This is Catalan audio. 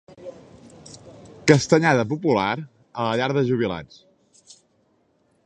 Castanyada popular a la llar de jubilats.